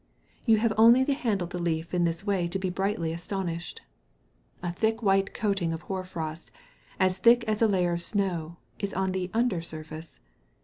You have only to handle the leaf in this way to be brightly astonished. A thick white coating of hoar frost, as thick as a layer of snow, is on the under surface.